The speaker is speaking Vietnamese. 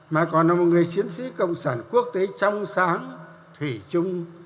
mà còn là một người chiến sĩ cộng sản quốc tế trong sáng thủy chung